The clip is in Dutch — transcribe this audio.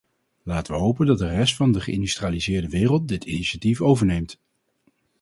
Laten we hopen dat de rest van de geïndustrialiseerde wereld dit initiatief overneemt.